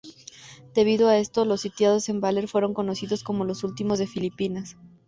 Debido a esto, los sitiados en Baler fueron conocidos como los últimos de Filipinas.